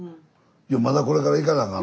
いやまだこれから行かなあかん。